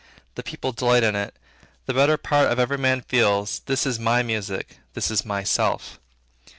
The people delight in it; the better part of every man feels, This is my music; this is myself.